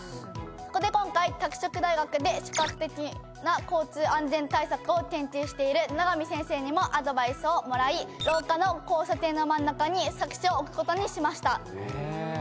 そこで今回拓殖大学で視覚的な交通安全対策を研究している永見先生にもアドバイスをもらい廊下の交差点の真ん中に錯視を置くことにしましたへえ